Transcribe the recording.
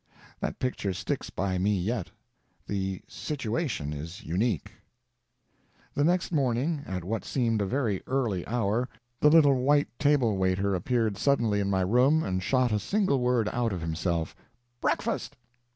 That picture sticks by me yet. The "situation" is unique. The next morning, at what seemed a very early hour, the little white table waiter appeared suddenly in my room and shot a single word out of himself "Breakfast!"